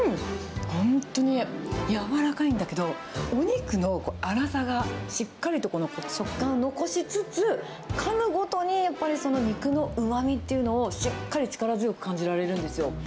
本当にやわらかいんだけど、お肉の粗さが、しっかりと食感を残しつつ、かむごとにやっぱりその肉のうまみっていうのを、しっかり力強く感じられるんですよ。